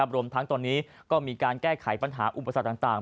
รวมทั้งตอนนี้ก็มีการแก้ไขปัญหาอุปสรรคต่าง